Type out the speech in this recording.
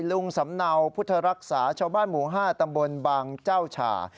ลุงสำเนาพุทธรักษาชาวบ้านหมู่๕ตำบลบางเจ้าฉ่า